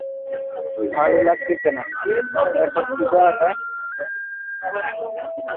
দক্ষিণ এবং পূর্ব তীরে সমতল লাভা সমভূমি।